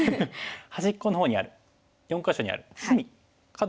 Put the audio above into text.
端っこの方にある４か所にある隅角の部分ですね。